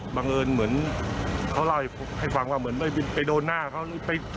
บังเอิญเหมือนเขาเล่าให้ฟังว่าเหมือนไปโดนหน้าเขาไป